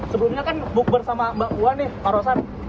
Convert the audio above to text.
sebelumnya kan buk bersama mbak bua nih pak rosan